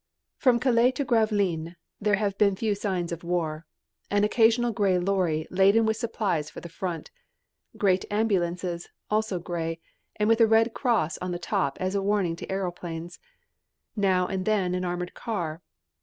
From Calais to Gravelines there had been few signs of war an occasional grey lorry laden with supplies for the front; great ambulances, also grey, and with a red cross on the top as a warning to aëroplanes; now and then an armoured car.